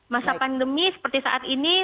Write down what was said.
masa pandemi seperti saat ini